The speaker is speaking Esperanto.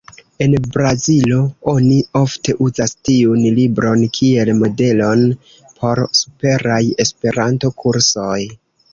En Brazilo oni ofte uzas tiun libron kiel modelon por superaj Esperanto-kursoj.